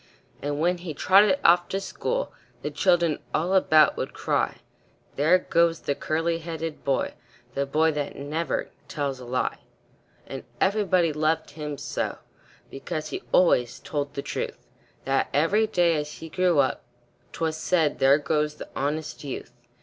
And when he trotted off to school, The children all about would cry, "There goes the curly headed boy The boy that never tells a lie." And everybody loved him so, Because he always told the truth, That every day, as he grew up, 'Twas said, "There goes the honest youth."